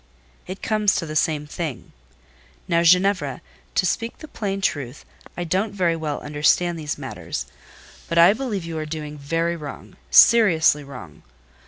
"It comes to the same thing…. Now, Ginevra, to speak the plain truth, I don't very well understand these matters; but I believe you are doing very wrong—seriously wrong.